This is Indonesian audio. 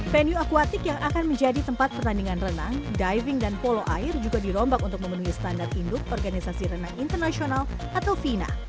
venue akuatik yang akan menjadi tempat pertandingan renang diving dan polo air juga dirombak untuk memenuhi standar induk organisasi renang internasional atau fina